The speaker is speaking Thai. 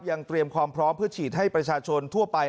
ยังเตรียมความพร้อมเพื่อฉีดให้ประชาชนทั่วไป